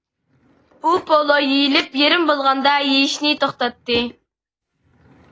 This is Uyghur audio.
ئۇ پولۇ يېيىلىپ يېرىم بولغاندا يېيىشنى توختاتتى.